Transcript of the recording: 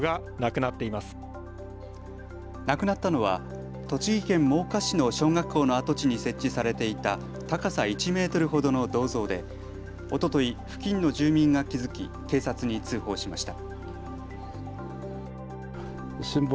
なくなったのは栃木県真岡市の小学校の跡地に設置されていた高さ１メートルほどの銅像でおととい、付近の住民が気付き警察に通報しました。